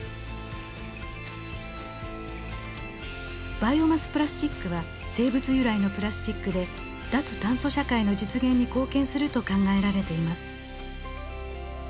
バイオマスプラスチックは生物由来のプラスチックで脱炭素社会の実現に貢献すると考えられています。